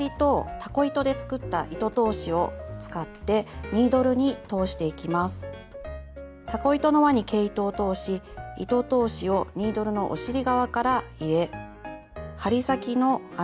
たこ糸の輪に毛糸を通し糸通しをニードルのお尻側から入れ針先の穴にも通していきます。